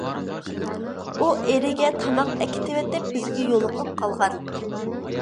ئۇ ئېرىگە تاماق ئەكېتىۋېتىپ بىزگە يولۇقۇپ قالغان.